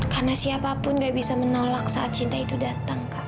karena siapapun gak bisa menolak saat cinta itu datang kak